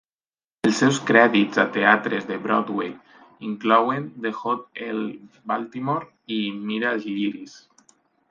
Els seus crèdits a teatres de Broadway inclouen "The Hot L Baltimore" i "Mira els lliris".